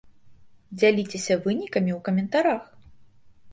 Дзяліцеся вынікамі ў каментарах!